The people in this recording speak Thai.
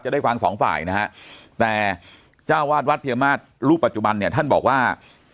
ได้ฟังสองฝ่ายนะฮะแต่เจ้าวาดวัดเพียมาศรูปปัจจุบันเนี่ยท่านบอกว่า